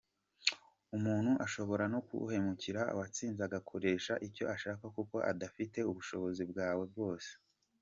Umuntu ashobora no kuguhemukira wasinze akagukoresha icyo ashaka kuko udafite ubushobozi bwawe bwose.